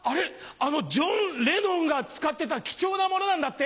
あのジョン・レノンが使ってた貴重なものなんだって？